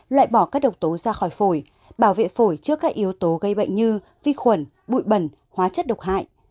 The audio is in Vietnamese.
loại bỏ các độc tố ra khỏi phổi bảo vệ phổi trước các yếu tố gây bệnh như vi khuẩn bụi bẩn hóa chất độc hại